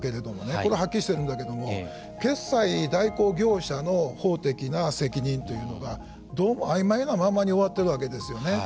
これははっきりしているんだけれども決済代行業者の法的な責任というのがどうもあいまいなままに終わっているわけですよね。